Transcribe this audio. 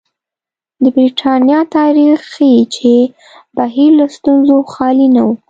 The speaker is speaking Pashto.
د برېټانیا تاریخ ښيي چې بهیر له ستونزو خالي نه و.